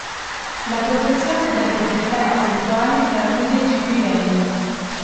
La protezione delle proprietà intellettuali tramite GPL.